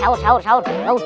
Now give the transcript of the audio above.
eh sahur sahur